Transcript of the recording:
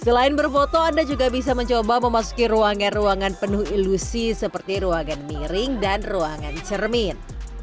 selain berfoto anda juga bisa mencoba memasuki ruangan ruangan penuh ilusi seperti ruangan miring dan ruangan cermin